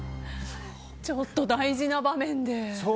ちょっと大事な場面で。